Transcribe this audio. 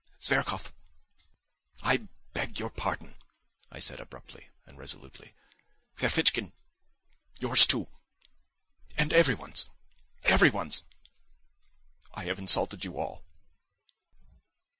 "Zverkov, I beg your pardon," I said abruptly and resolutely. "Ferfitchkin, yours too, and everyone's, everyone's: I have insulted you all!"